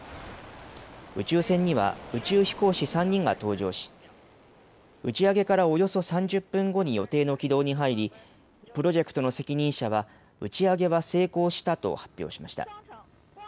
宇宙船には宇宙飛行士３人が搭乗し打ち上げからおよそ３０分後に予定の軌道に入りプロジェクトの責任者は打ち上げは成功したと発表しました。